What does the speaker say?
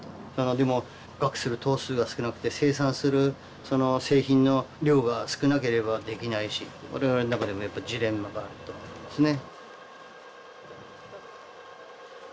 でも捕獲する頭数が少なくて生産する製品の量が少なければできないし我々の中でもやっぱジレンマがあると思うんですね。